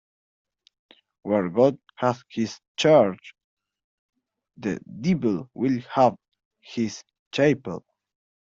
Where God has his church, the devil will have his chapel.